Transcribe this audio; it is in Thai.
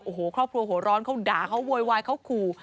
โอ้โหครอบครัวหัวร้อนเขาด่าเขาโวยวายเขาขู่